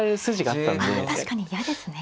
あ確かに嫌ですね。